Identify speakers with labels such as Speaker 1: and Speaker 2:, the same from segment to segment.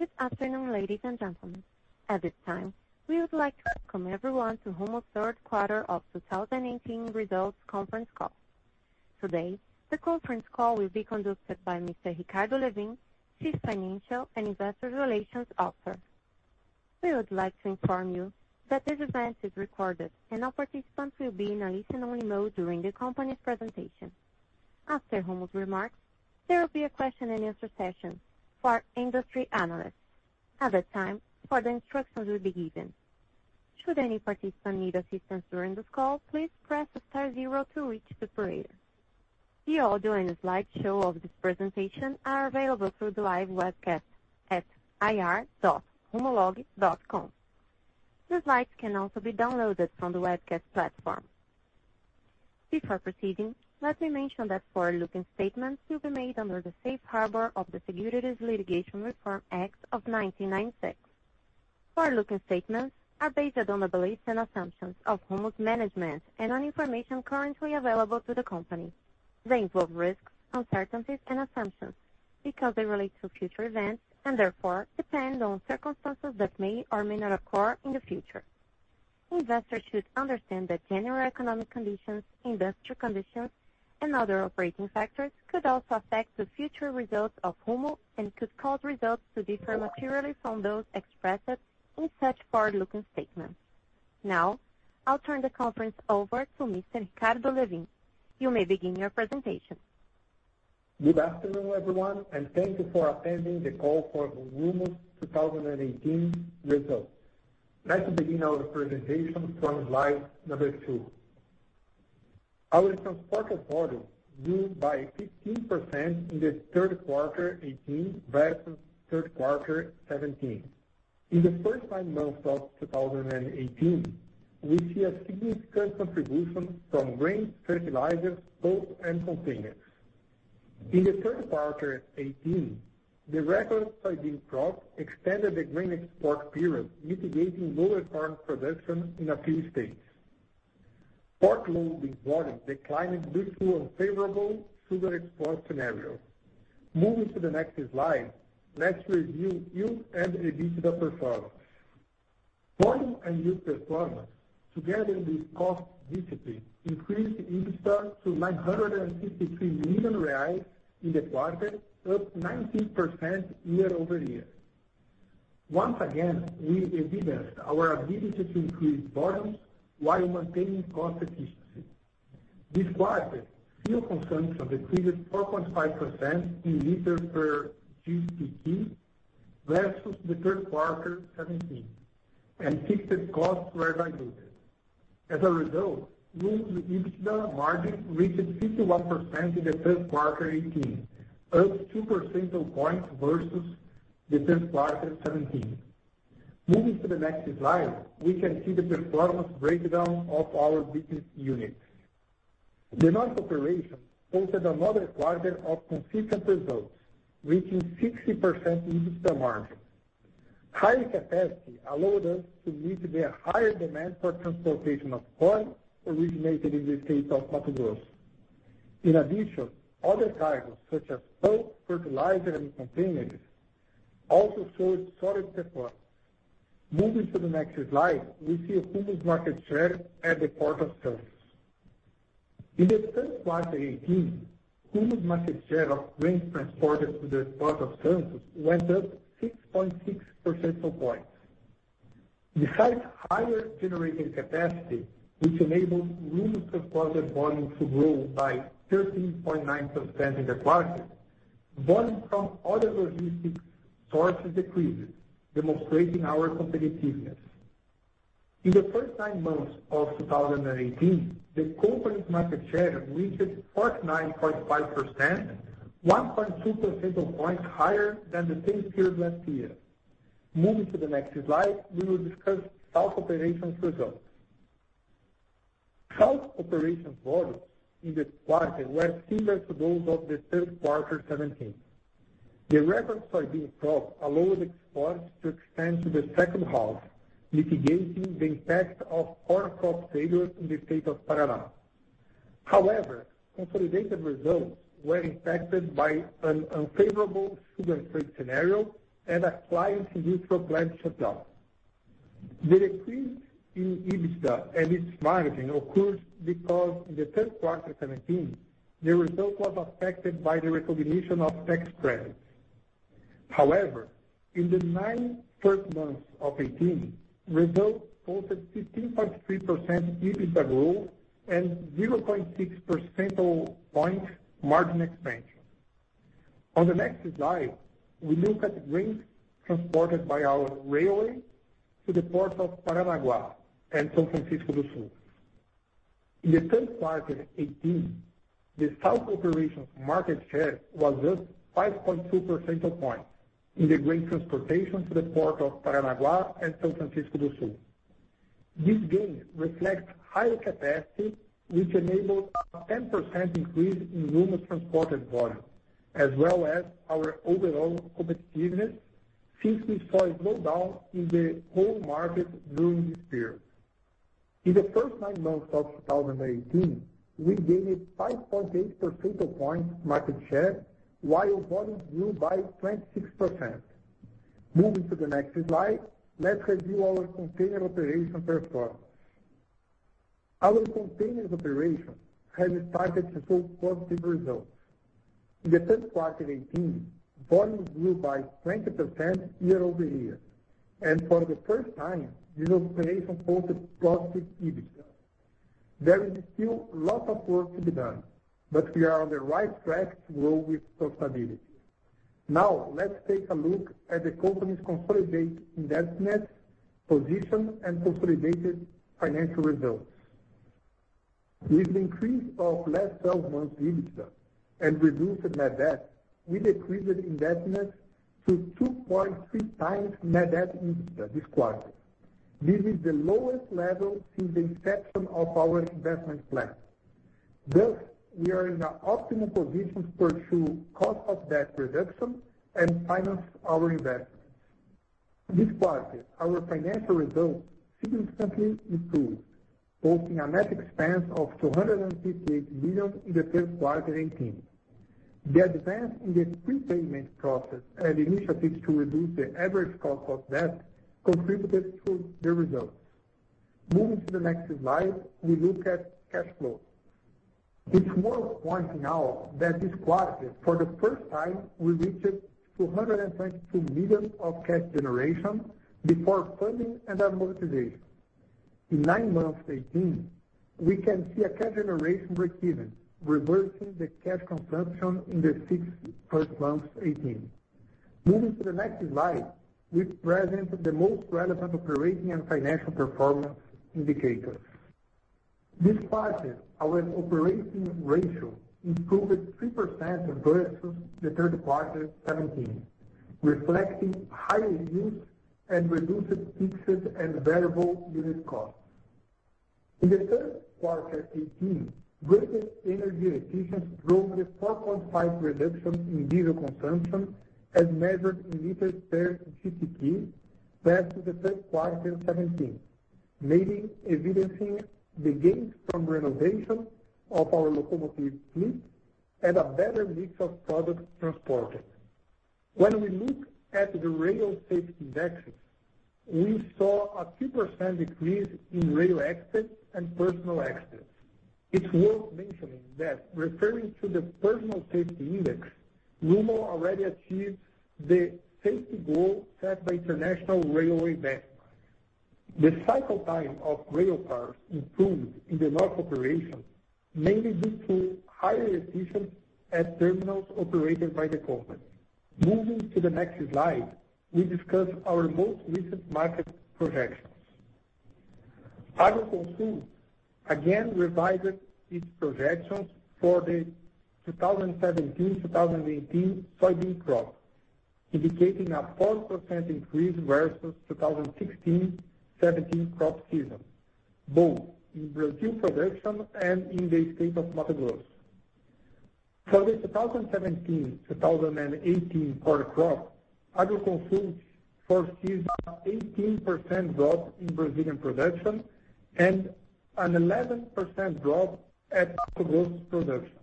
Speaker 1: Good afternoon, ladies and gentlemen. At this time, we would like to welcome everyone to Rumo's third quarter of 2018 results conference call. Today, the conference call will be conducted by Mr. Ricardo Lewin, Chief Financial and Investor Relations Officer. We would like to inform you that this event is recorded, and all participants will be in a listen-only mode during the company's presentation. After Rumo's remarks, there will be a question-and-answer session for industry analysts. At that time, further instructions will be given. Should any participant need assistance during this call, please press star zero to reach the operator. The audio and slideshow of this presentation are available through the live webcast at ir.rumolog.com. The slides can also be downloaded from the webcast platform. Before proceeding, let me mention that forward-looking statements will be made under the safe harbor of the Private Securities Litigation Reform Act of 1995. Forward-looking statements are based on the beliefs and assumptions of Rumo's management and on information currently available to the company. They involve risks, uncertainties, and assumptions because they relate to future events and therefore depend on circumstances that may or may not occur in the future. Investors should understand that general economic conditions, industrial conditions, and other operating factors could also affect the future results of Rumo and could cause results to differ materially from those expressed in such forward-looking statements. Now, I'll turn the conference over to Mr. Ricardo Lewin. You may begin your presentation.
Speaker 2: Good afternoon, everyone. Thank you for attending the call for Rumo's 2018 results. Let me begin our presentation from slide number two. Our transported volume grew by 15% in the third quarter 2018 versus third quarter 2017. In the first nine months of 2018, we see a significant contribution from grains, fertilizers, coke, and containers. In the third quarter 2018, the record soybean crop extended the grain export period, mitigating lower corn production in a few states. Port loading volume declined due to unfavorable sugar export scenario. Moving to the next slide, let's review yield and EBITDA performance. Volume and yield performance, together with cost discipline, increased EBITDA to 953 million reais in the quarter, up 19% year-over-year. Once again, we evidenced our ability to increase volumes while maintaining cost efficiency. This quarter, fuel consumption decreased 4.5% in liter per GTK versus the third quarter 2017. Fixed costs were diluted. As a result, Rumo's EBITDA margin reached 51% in the third quarter 2018, up 2 percentage points versus the third quarter 2017. Moving to the next slide, we can see the performance breakdown of our business units. The North Region posted another quarter of consistent results, reaching 60% EBITDA margin. Higher capacity allowed us to meet the higher demand for transportation of corn originated in the state of Mato Grosso. In addition, other cargos such as coke, fertilizer, and containers also showed solid performance. Moving to the next slide, we see Rumo's market share at the Port of Santos. In the third quarter 2018, Rumo's market share of grains transported to the Port of Santos went up 6.6 percentage points. Besides higher generating capacity, which enabled Rumo-transported volume to grow by 13.9% in the quarter, volume from other logistics sources decreased, demonstrating our competitiveness. In the first nine months of 2018, the company's market share reached 49.5%, 1.2 percentage points higher than the same period last year. Moving to the next slide, we will discuss South Operations results. South Operations volumes in the quarter were similar to those of the third quarter 2017. The record soybean crop allowed exports to extend to the second half, mitigating the impact of poor crop failures in the state of Paraná. However, consolidated results were impacted by an unfavorable sugar trade scenario and a client's ethanol plant shutdown. The decrease in EBITDA and its margin occurred because in the third quarter 2017, the result was affected by the recognition of tax credits. However, in the nine first months of 2018, results posted 15.3% EBITDA growth and 0.6 percentage point margin expansion. On the next slide, we look at grains transported by our railway to the Port of Paranaguá and São Francisco do Sul. In the third quarter 2018, the South Operations market share was up 5.2 percentage points in the grain transportation to the Port of Paranaguá and São Francisco do Sul. This gain reflects higher capacity, which enabled a 10% increase in Rumo's transported volume, as well as our overall competitiveness since we saw a slowdown in the coal market during this period. In the first nine months of 2018, we gained 5.8 percentage points market share while volumes grew by 26%. Moving to the next slide, let's review our container operation performance. Our containers operation has started to show positive results. In the third quarter 2018, volumes grew by 20% year-over-year, and for the first time, this operation posted positive EBITDA. There is still a lot of work to be done, but we are on the right track to grow with profitability. Now, let's take a look at the company's consolidated indebtedness position and consolidated financial results. With the increase of last 12 months EBITDA and reduced net debt, we decreased the indebtedness to 2.3x net debt/EBITDA this quarter. This is the lowest level since the inception of our investment plan. Thus, we are in an optimal position to pursue cost of debt reduction and finance our investments. This quarter, our financial results significantly improved, posting a net expense of BRL 258 million in the third quarter 2018. The advance in the prepayment process and initiatives to reduce the average cost of debt contributed to the results. Moving to the next slide, we look at cash flow. It's worth pointing out that this quarter, for the first time, we reached 222 million of cash generation before funding and amortization. In nine months 2018, we can see a cash generation breakeven, reversing the cash consumption in the first six months 2018. Moving to the next slide, we present the most relevant operating and financial performance indicators. This quarter, our operating ratio improved 3% versus the third quarter 2017, reflecting higher use and reduced fixed and variable unit costs. In the third quarter 2018, greater energy efficiency drove a 4.5% reduction in diesel consumption as measured in liters per TKM versus the third quarter 2017, mainly evidencing the gains from renovation of our locomotive fleet and a better mix of product transported. When we look at the rail safety indexes, we saw a 2% decrease in rail accidents and personal accidents. It is worth mentioning that referring to the personal safety index, Rumo already achieved the safety goal set by international railway benchmarks. The cycle time of railcars improved in the North Operations, mainly due to higher efficiency at terminals operated by the company. Moving to the next slide, we discuss our most recent market projections. Agroconsult again revised its projections for the 2017-2018 soybean crop, indicating a 4% increase versus 2016-2017 crop season, both in Brazilian production and in the state of Mato Grosso. For the 2017-2018 corn crop, Agroconsult foresees an 18% drop in Brazilian production and an 11% drop at Mato Grosso production.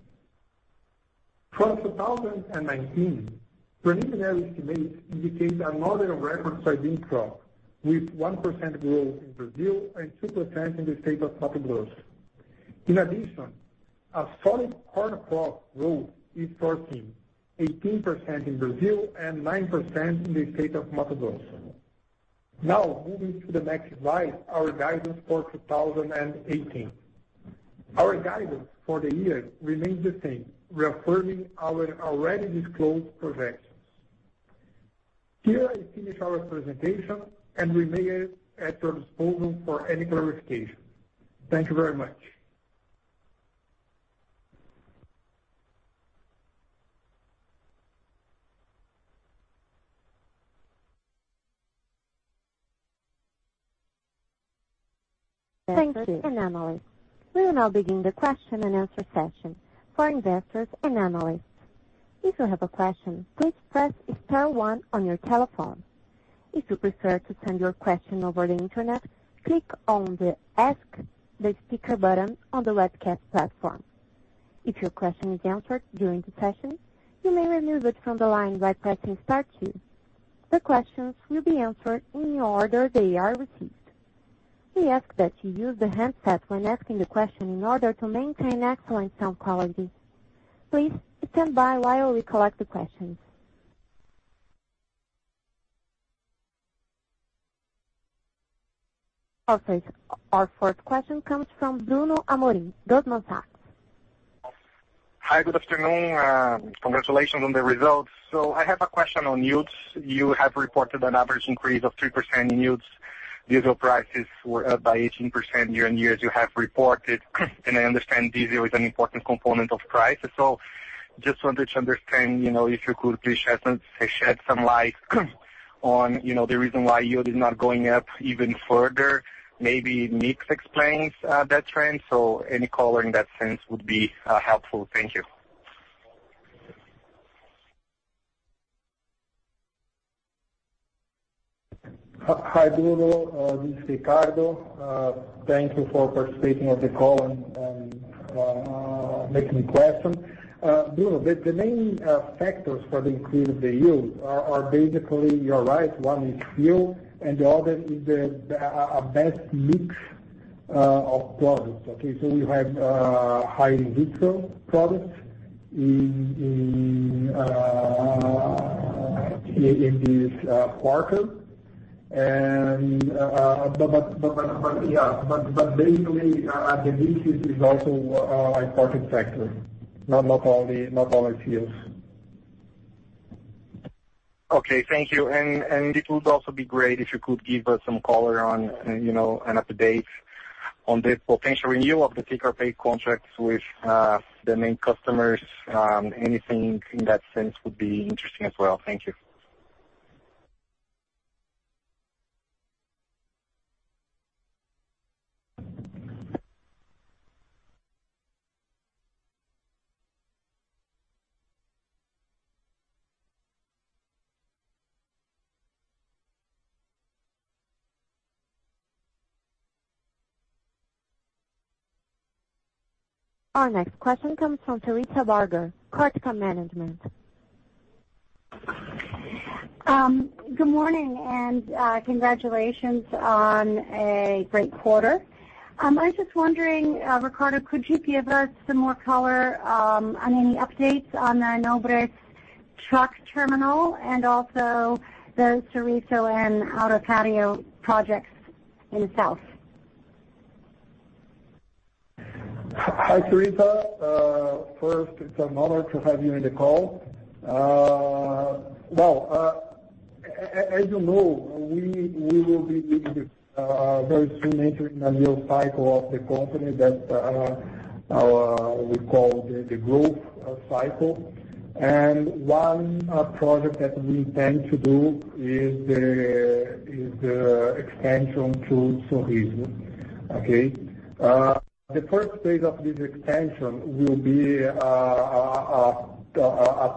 Speaker 2: For 2019, preliminary estimates indicate another record soybean crop, with 1% growth in Brazil and 2% in the state of Mato Grosso. In addition, a solid corn crop growth is foreseen, 18% in Brazil and 9% in the state of Mato Grosso. Moving to the next slide, our guidance for 2018. Our guidance for the year remains the same, reaffirming our already disclosed projections. Here, I finish our presentation, and remain at your disposal for any clarification. Thank you very much.
Speaker 1: Thank you. We will now begin the question-and-answer session for investors and analysts. If you have a question, please press star one on your telephone. If you prefer to send your question over the Internet, click on the "Ask the Speaker" button on the webcast platform. If your question is answered during the session, you may remove it from the line by pressing star two. The questions will be answered in the order they are received. We ask that you use the handset when asking the question in order to maintain excellent sound quality. Please stand by while we collect the questions. Okay, our first question comes from Bruno Amorim, Goldman Sachs.
Speaker 3: Hi. Good afternoon. Congratulations on the results. I have a question on yields. You have reported an average increase of 3% in yields. Diesel prices were up by 18% year-on-year as you have reported. I understand diesel is an important component of price. Just wanted to understand, if you could please shed some light on the reason why yield is not going up even further. Maybe mix explains that trend, so any color in that sense would be helpful. Thank you.
Speaker 2: Hi, Bruno. This is Ricardo. Thank you for participating on the call and making questions. Bruno, the main factors for the increase of the yield are basically, you're right, one is yield, and the other is the best mix of products. We have high-yield products in this quarter. Basically, the mix is also an important factor, not only yields.
Speaker 3: Okay, thank you. It would also be great if you could give us some color on, and an update on this potential renewal of the take-or-pay contracts with the main customers. Anything in that sense would be interesting as well. Thank you.
Speaker 1: Our next question comes from Teresa Barger, Cartica Management.
Speaker 4: Good morning. Congratulations on a great quarter. I was just wondering, Ricardo, could you give us some more color on any updates on the Nobres truck terminal, and also the Sorriso and Alto Araguaia projects in the south?
Speaker 2: Hi, Teresa. First, it's an honor to have you in the call. Well, as you know, we will be very soon entering a new cycle of the company that we call the growth cycle. One project that we intend to do is the expansion to Sorriso. Okay? The first phase of this expansion will be a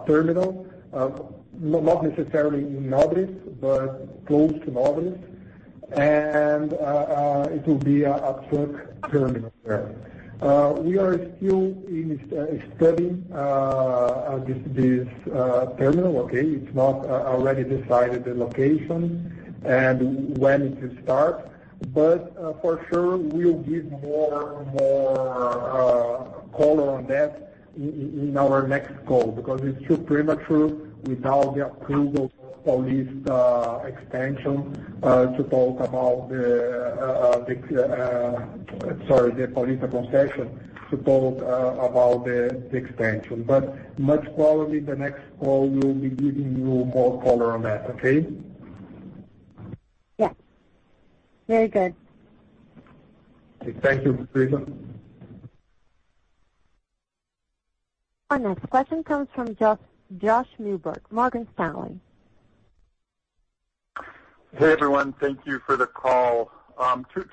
Speaker 2: terminal, not necessarily in Nobres, but close to Nobres. It will be a truck terminal there. We are still studying this terminal. Okay? It's not already decided, the location, and when it will start. For sure, we'll give more color on that in our next call, because it's too premature without the approval of this expansion to talk about the Sorry, the Paulista concession to talk about the expansion. Most probably, the next call will be giving you more color on that, okay?
Speaker 4: Yeah. Very good.
Speaker 2: Thank you, Teresa.
Speaker 1: Our next question comes from Josh Milberg, Morgan Stanley.
Speaker 5: Hey, everyone. Thank you for the call.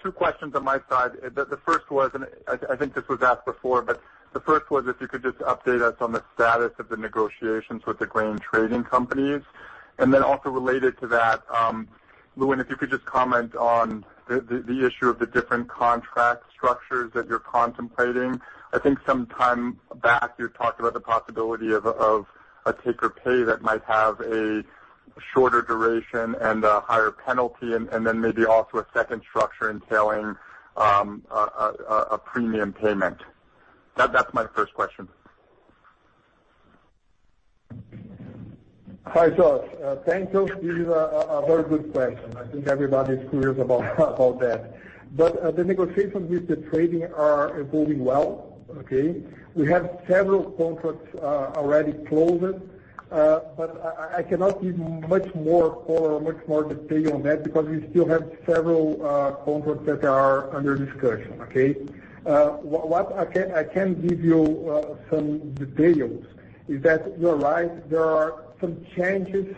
Speaker 5: Two questions on my side. The first was, and I think this was asked before, but the first was if you could just update us on the status of the negotiations with the grain trading companies. Then also related to that, Lewin, if you could just comment on the issue of the different contract structures that you're contemplating. I think some time back, you talked about the possibility of a take-or-pay that might have a shorter duration and a higher penalty, then maybe also a second structure entailing a premium payment. That's my first question.
Speaker 2: Hi, Josh. Thank you. This is a very good question. I think everybody is curious about that. The negotiations with the trading are evolving well, okay? We have several contracts already closed. I cannot give much more color or much more detail on that because we still have several contracts that are under discussion, okay? What I can give you some details is that, you're right, there are some changes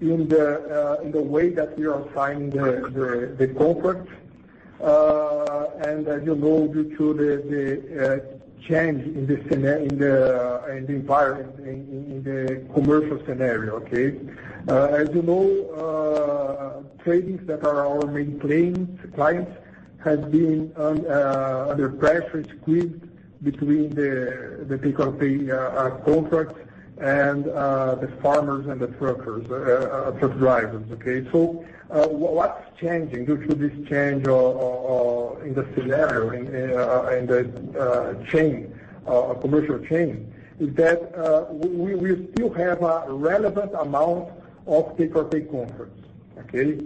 Speaker 2: in the way that we are signing the contracts, and as you know, due to the change in the environment, in the commercial scenario. Okay? As you know, tradings that are our main clients, have been under pressure, squeezed between the take-or-pay contracts and the farmers and the truck drivers. Okay? What's changing due to this change in the scenario, in the commercial chain, is that we still have a relevant amount of take-or-pay contracts. Okay?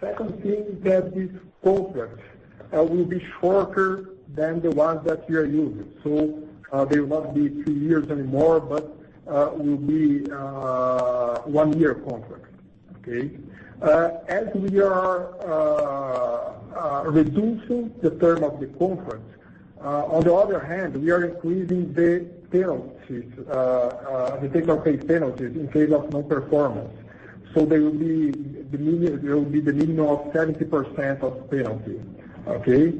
Speaker 2: Second thing is that these contracts will be shorter than the ones that we are using. They will not be two years anymore, but will be one-year contracts. Okay? As we are reducing the term of the contract, on the other hand, we are increasing the take-or-pay penalties in case of non-performance. There will be the minimum of 70% of penalty, okay?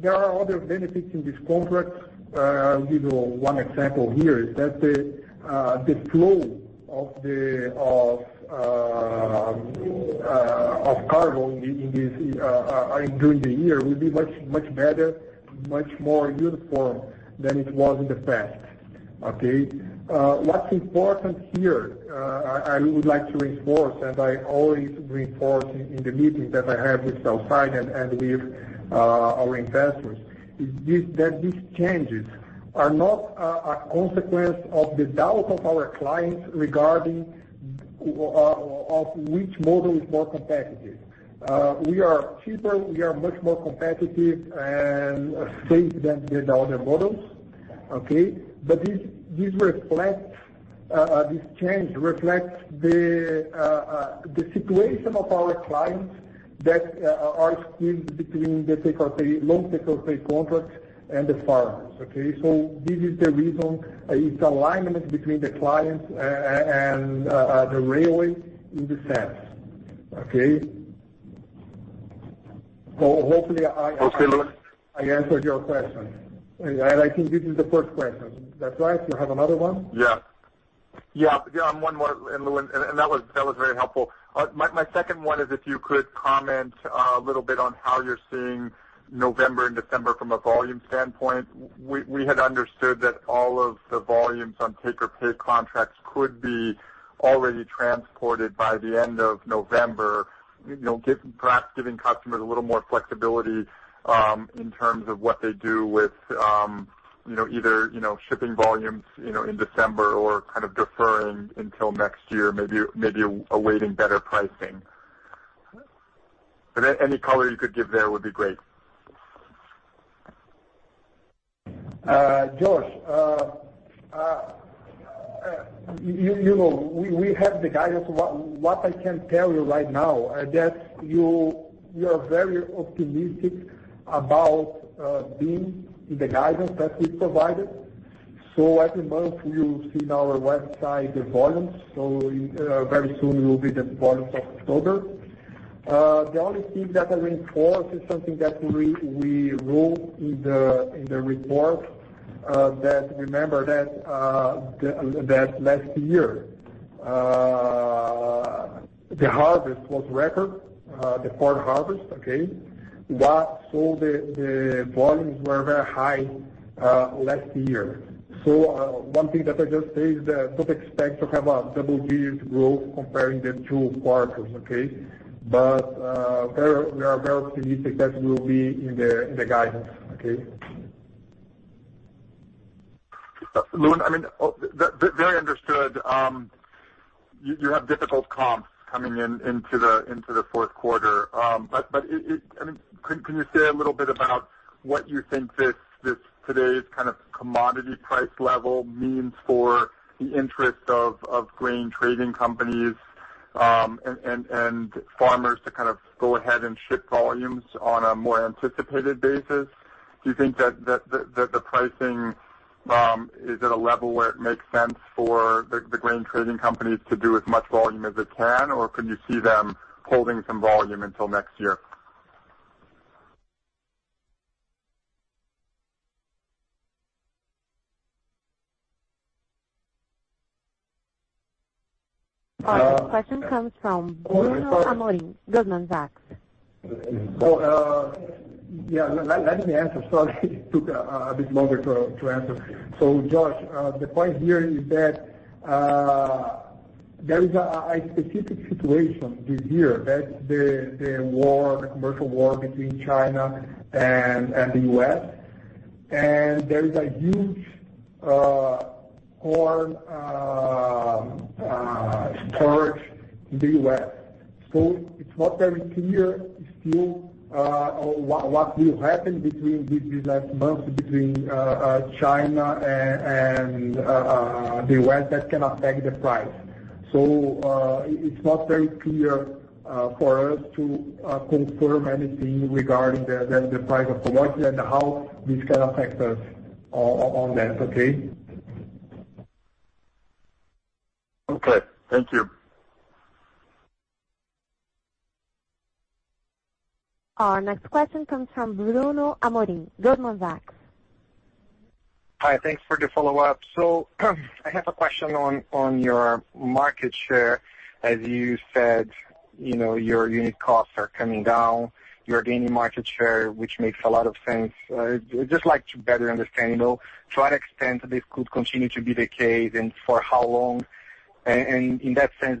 Speaker 2: There are other benefits in this contract. I'll give you one example here, is that the flow of cargo during the year will be much better, much more uniform than it was in the past. Okay? What's important here, I would like to reinforce, and I always reinforce in the meetings that I have with sell-side and with our investors, is that these changes are not a consequence of the doubt of our clients regarding of which model is more competitive. We are cheaper, we are much more competitive and safe than the other models. Okay? This change reflects the situation of our clients that are squeezed between the take-or-pay, long take-or-pay contracts and the farmers. Okay? This is the reason. It's alignment between the clients and the railway in the sense. Okay? Hopefully.
Speaker 5: Okay, Lewin.
Speaker 2: I answered your question. I think this is the first question. That's right? You have another one?
Speaker 5: Yeah. One more. That was very helpful. My second one is if you could comment a little bit on how you're seeing November and December from a volume standpoint. We had understood that all of the volumes on take-or-pay contracts could be already transported by the end of November, perhaps giving customers a little more flexibility, in terms of what they do with, either shipping volumes in December or kind of deferring until next year, maybe awaiting better pricing. Any color you could give there would be great.
Speaker 2: Josh, we have the guidance. What I can tell you right now that you are very optimistic about being in the guidance that we provided. Every month you see in our website the volumes, very soon will be the volumes of October. The only thing that I reinforce is something that we wrote in the report, that remember that last year, the harvest was record, the port harvest, okay? The volumes were very high last year. One thing that I just say is that don't expect to have a double-digit growth comparing the two quarters, okay? We are very optimistic that will be in the guidance. Okay?
Speaker 5: Lewin, very understood. You have difficult comps coming into the fourth quarter. Can you say a little bit about what you think today's kind of commodity price level means for the interest of grain trading companies and farmers to kind of go ahead and ship volumes on a more anticipated basis? Do you think that the pricing is at a level where it makes sense for the grain trading companies to do as much volume as it can, or can you see them holding some volume until next year?
Speaker 1: Our next question comes from Bruno Amorim, Goldman Sachs.
Speaker 2: Yeah. Let me answer. Sorry, took a bit longer to answer. Josh, the point here is that there is a specific situation this year. That the commercial war between China and the U.S. There is a huge corn storage in the U.S. It's not very clear still what will happen between these last months between China and the U.S. that can affect the price. It's not very clear for us to confirm anything regarding the price of the washout and how this can affect us on that. Okay?
Speaker 5: Okay. Thank you.
Speaker 1: Our next question comes from Bruno Amorim, Goldman Sachs.
Speaker 3: Hi, thanks for the follow-up. I have a question on your market share. As you said, your unit costs are coming down, you are gaining market share, which makes a lot of sense. I would just like to better understand, to what extent this could continue to be the case and for how long. In that sense,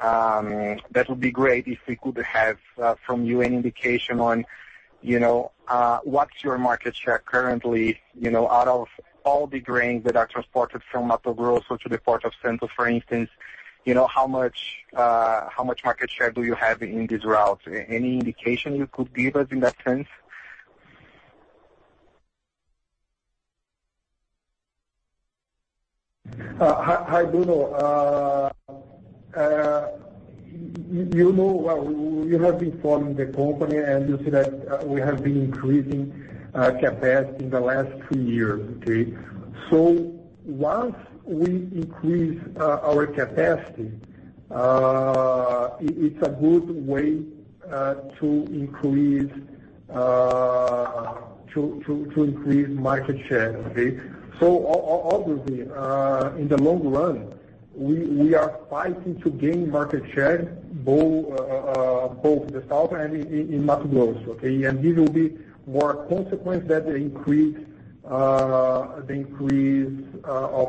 Speaker 3: that would be great if we could have, from you, an indication on what's your market share currently out of all the grains that are transported from Mato Grosso to the Port of Santos, for instance, how much market share do you have in these routes? Any indication you could give us in that sense?
Speaker 2: Hi, Bruno. You know well, you have been following the company, you see that we have been increasing capacity in the last three years. Okay? Once we increase our capacity. It's a good way to increase market share. Okay? Obviously, in the long run, we are fighting to gain market share, both the south and in Mato Grosso, okay? This will be more a consequence that the increase of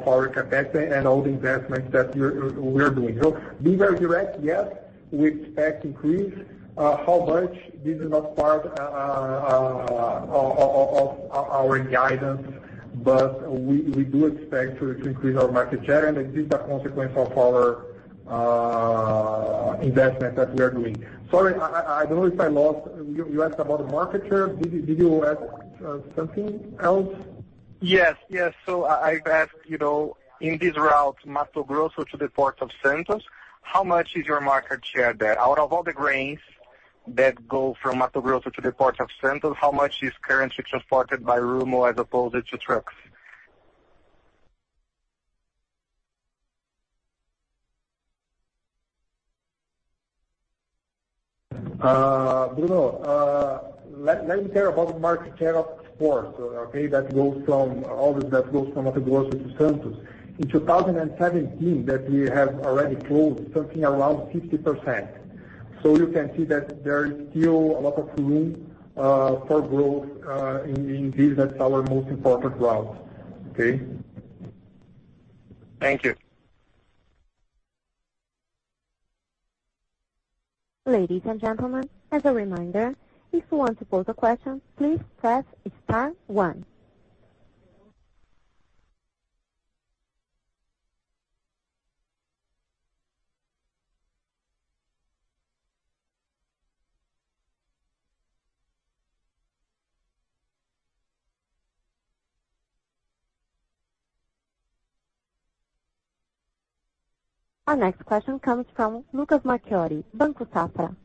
Speaker 2: our capacity and all the investments that we're doing. To be very direct, yes, we expect increase. How much, this is not part of our guidance, but we do expect to increase our market share, and this is a consequence of our investment that we are doing. Sorry, I don't know if I lost You asked about the market share. Did you ask something else?
Speaker 3: Yes. I've asked, in this route, Mato Grosso to the Port of Santos, how much is your market share there? Out of all the grains that go from Mato Grosso to the Port of Santos, how much is currently transported by Rumo as opposed to trucks?
Speaker 2: Bruno, let me tell about market share of export, okay? That goes from all of that goes from Mato Grosso to Santos. In 2017, that we have already closed something around 50%. You can see that there is still a lot of room for growth, indeed, that's our most important route. Okay?
Speaker 3: Thank you.
Speaker 1: Ladies and gentlemen, as a reminder, if you want to pose a question, please press star one. Our next question comes from Lucas Marquiori, Banco Safra.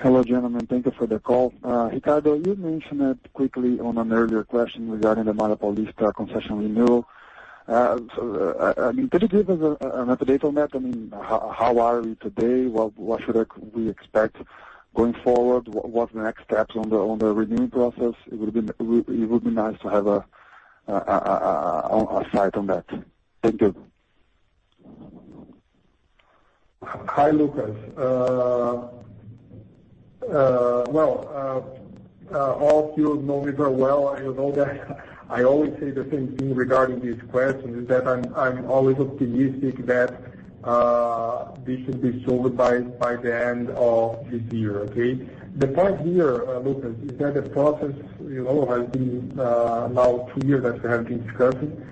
Speaker 6: Hello, gentlemen. Thank you for the call. Ricardo, you mentioned it quickly on an earlier question regarding the Malha Paulista concession renewal. Can you give us an up-to-date on that? How are we today? What should we expect going forward? What are the next steps on the renewing process? It would be nice to have a sight on that. Thank you.
Speaker 2: Hi, Lucas. Well, all of you know me very well. You know that I always say the same thing regarding this question, is that I'm always optimistic that this should be solved by the end of this year. Okay? The point here, Lucas, is that the process has been now two years that we have been discussing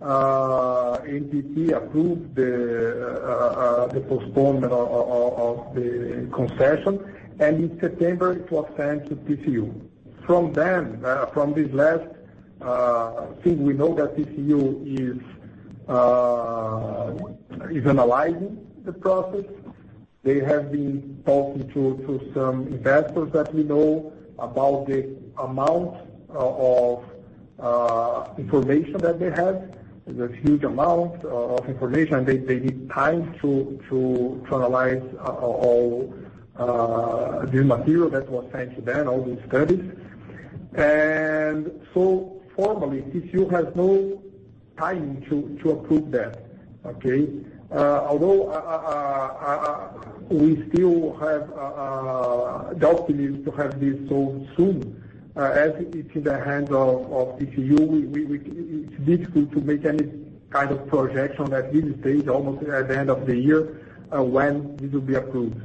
Speaker 2: with ANTT. ANTT approved the postponement of the concession. In September it was sent to TCU. From this last thing, we know that TCU is analyzing the process. They have been talking to some investors that we know about the amount of information that they have. There's huge amount of information. They need time to analyze all the material that was sent to them, all the studies. Formally, TCU has no time to approve that. Okay? Although, we still have doubt, believe to have this solved soon. As it's in the hands of TCU, it's difficult to make any kind of projection at this stage, almost at the end of the year, when it will be approved.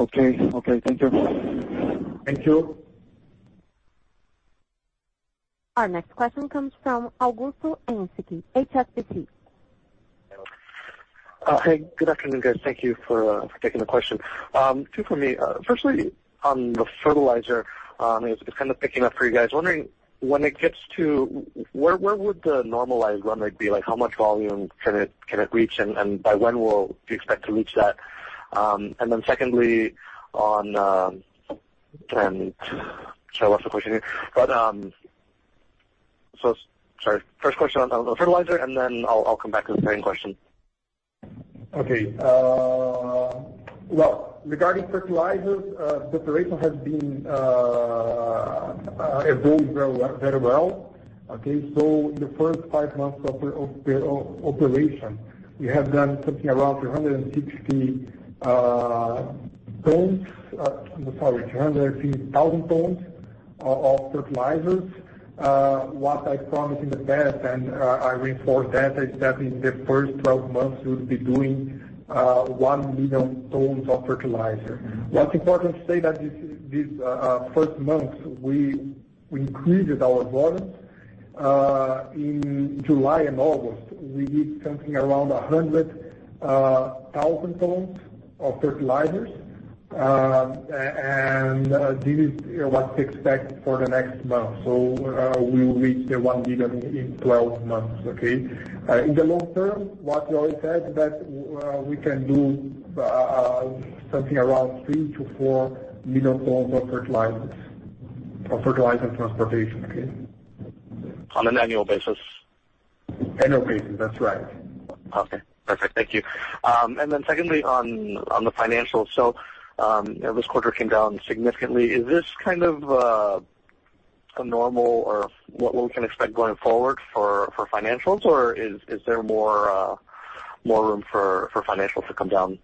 Speaker 6: Okay. Thank you.
Speaker 2: Thank you.
Speaker 1: Our next question comes from Augusto Ensiki, HSBC.
Speaker 7: Hey. Good afternoon, guys. Thank you for taking the question. Two from me. Firstly, on the fertilizer, it's kind of picking up for you guys. Wondering when it gets to where would the normalized run rate be? How much volume can it reach, and by when will you expect to reach that? Secondly, on Sorry, I lost the question here. Sorry, first question on the fertilizer, and then I'll come back to the second question.
Speaker 2: Okay. Well, regarding fertilizers, the operation has been evolved very well. Okay? In the first five months of operation, we have done something around 360 tons. I'm sorry, 360,000 tons of fertilizers. What I promised in the past, and I reinforce that, is that in the first 12 months, we would be doing 1 million tons of fertilizer. What's important to state that these first months, we increased our volumes. In July and August, we did something around 100,000 tons of fertilizers. This is what to expect for the next month. We will reach the 1 million in 12 months. Okay? In the long term, what we always said that we can do something around 3 million-4 million tons of fertilizers. Of fertilizers transportation. Okay.
Speaker 7: On an annual basis?
Speaker 2: Annual basis, that's right.
Speaker 7: Okay, perfect. Thank you. Secondly, on the financials. This quarter came down significantly. Is this kind of a normal or what we can expect going forward for financials? Is there more room for financials to come down?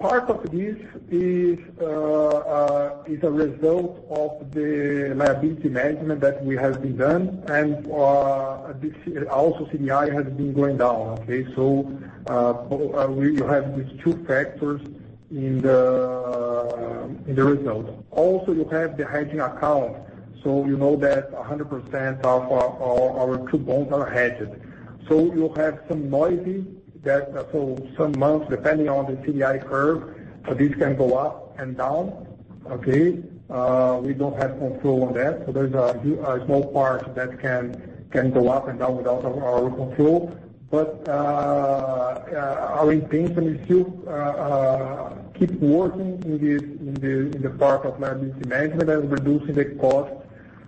Speaker 2: Part of this is a result of the liability management that we have been done and also CDI has been going down. Okay, we will have these two factors in the results. Also, you have the hedging account, you know that 100% of our two bonds are hedged. You have some noise that for some months, depending on the CDI curve, this can go up and down. Okay. We don't have control on that. There's a small part that can go up and down without our control. Our intention is to keep working in the part of liability management and reducing the cost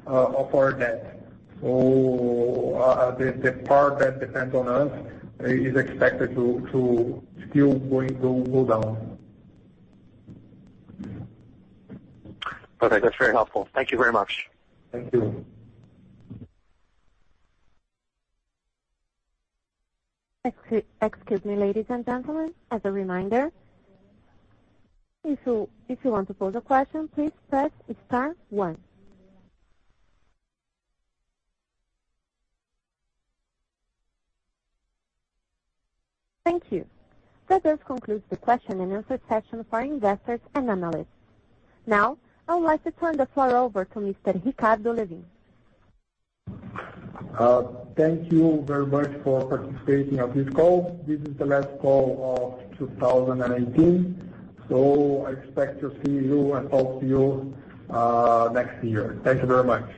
Speaker 2: of our debt. The part that depends on us is expected to still go down.
Speaker 7: Okay. That's very helpful. Thank you very much.
Speaker 2: Thank you.
Speaker 1: Excuse me, ladies and gentlemen. As a reminder, if you want to pose a question, please press star one. Thank you. That does conclude the question-and-answer session for investors and analysts. Now, I would like to turn the floor over to Mr. Ricardo Lewin.
Speaker 2: Thank you very much for participating on this call. This is the last call of 2018, I expect to see you and talk to you next year. Thank you very much.